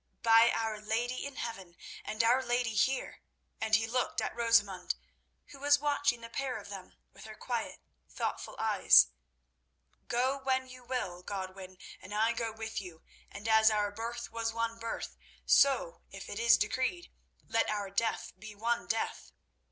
"By our Lady in Heaven, and our lady here!"—and he looked at Rosamund, who was watching the pair of them with her quiet thoughtful eyes—"go when you will, Godwin, and I go with you, and as our birth was one birth, so, if it is decreed, let our death be one death."